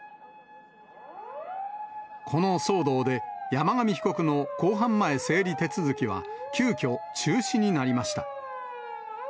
この騒動で、山上被告の公判前整理手続きは、急きょ、中止になりました。